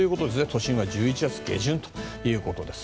都心は１１月下旬ということです。